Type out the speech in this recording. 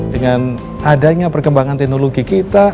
dengan adanya perkembangan teknologi kita